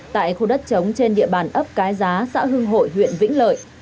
tại khu đất trống trên địa bàn ấp cái giá xã hưng hội huyện vĩnh lợi